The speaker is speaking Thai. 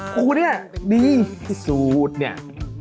กูเนี่ยดีที่สุดเนี่ย